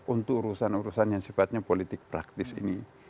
untuk urusan urusan yang sifatnya politik praktis ini